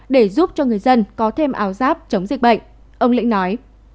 để giúp cho người dân có thêm áo giáp chống dịch bệnh ông lĩnh nói